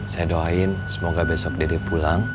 saya doain semoga besok dede pulang